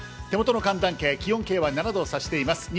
手元の寒暖計、気温計は７度を指しています。